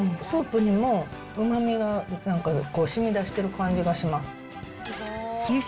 スープにもうまみがなんか、しみ出してる感じがします。